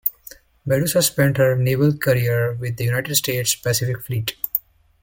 "Medusa" spent her naval career with the United States Pacific Fleet.